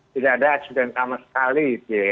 tidak ada ajudan sama sekali